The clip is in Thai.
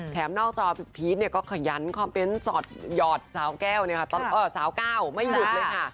แถมนอกจอพีชก็ขยันคอมเพนต์สอดหยอดสาวก้าวไม่หยุดเลยค่ะ